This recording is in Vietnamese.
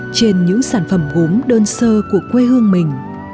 trên những sản phẩm gốm đơn sơ của quê hương mình